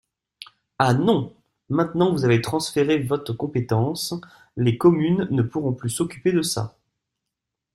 Ah non, maintenant vous avez transféré vote compétence, les communes ne pourront plus s’occuper de ça.